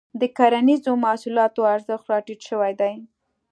د کرنیزو محصولاتو ارزښت راټيټ شوی دی.